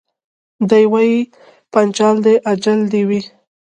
دی وايي پنچال دي اجل دي وي